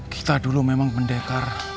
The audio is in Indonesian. kita dulu memang pendekar